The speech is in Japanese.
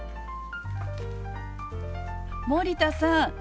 森田さん